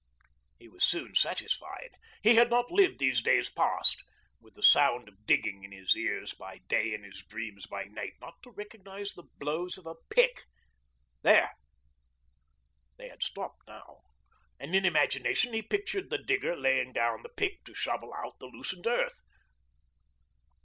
He was soon satisfied. He had not lived these days past with the sound of digging in his ears by day and his dreams by night not to recognise the blows of a pick. There ... they had stopped now; and in imagination he pictured the digger laying down the pick to shovel out the loosened earth.